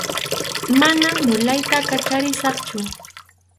Manam mulayta kacharisaqchu.